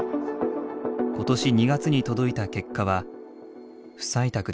今年２月に届いた結果は不採択でした。